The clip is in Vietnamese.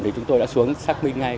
thì chúng tôi đã xuống xác minh ngay